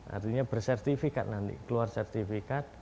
artinya bersertifikat nanti keluar sertifikat dari pnsb